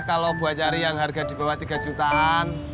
kalau buat cari yang harga di bawah tiga jutaan